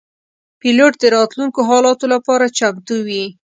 پیلوټ د راتلونکو حالاتو لپاره چمتو وي.